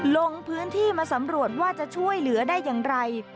ลงพื้นที่มาสำรวจว่าจะช่วยเหลือได้อย่างไร